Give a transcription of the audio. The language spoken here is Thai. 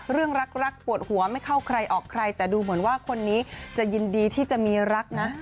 เรื่องรักปวดหัวไม่เข้าใครออกใครแต่ดูเหมือนว่าคนนี้จะยินดีที่จะมีรักนะ